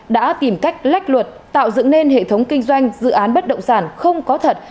đã tìm cách lách luật tạo dựng nên hệ thống kinh doanh dự án bất động sản không có thật